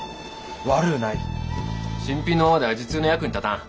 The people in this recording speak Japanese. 新品のままでは実用の役に立たん。